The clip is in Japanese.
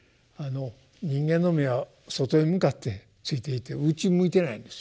人間の目は外へ向かって付いていてうちに向いてないんですよね。